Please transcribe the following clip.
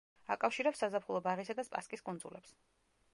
აკავშირებს საზაფხულო ბაღისა და სპასკის კუნძულებს.